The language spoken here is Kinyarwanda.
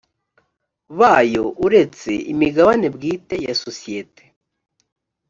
bayo uretse imigabane bwite ya sosiyete